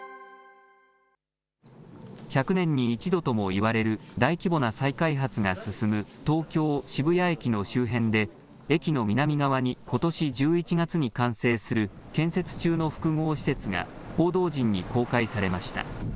１００年に１度ともいわれる大規模な再開発が進む東京・渋谷駅の周辺で、駅の南側にことし１１月に完成する建設中の複合施設が、報道陣に公開されました。